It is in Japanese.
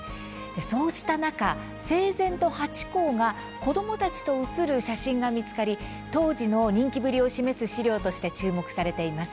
そうした中、生前のハチ公が子どもたちと写る写真が見つかり当時の人気ぶりを示す史料として注目されています。